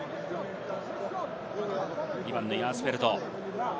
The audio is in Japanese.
２番のヤースフェルト。